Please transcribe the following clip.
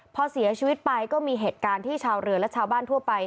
พอเสียชีวิตไปก็มีเหตุการณ์ที่ชาวเรือและชาวบ้านทั่วไป